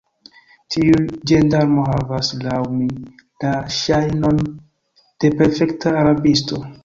Tiu ĝendarmo havas, laŭ mi, la ŝajnon de perfekta rabisto.